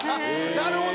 なるほど。